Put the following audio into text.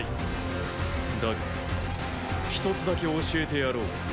だが一つだけ教えてやろう。